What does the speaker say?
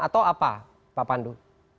atau apa pak pandu